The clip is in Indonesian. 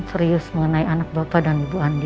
serius mengenai anak bapak dan ibu andi